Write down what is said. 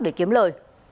để kiếm lời